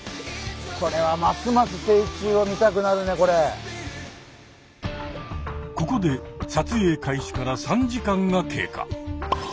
これはここで撮影開始から３時間が経過。